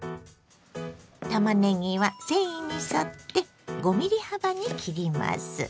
たまねぎは繊維に沿って５ｍｍ幅に切ります。